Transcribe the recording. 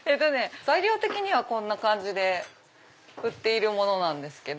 材料的にはこんな感じで売っているものなんですけど。